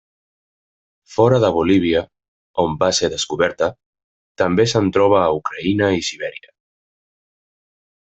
Fora de Bolívia, on va ser descoberta, també se'n troba a Ucraïna i Sibèria.